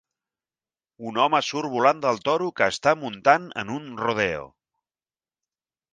Un home surt volant del toro que està muntant en un rodeo.